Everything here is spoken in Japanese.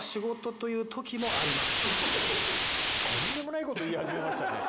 とんでもないこと言いはじめましたね。